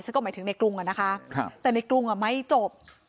ซึ่งก็หมายถึงในกรุงอะนะคะแต่ในกรุงไม่จบ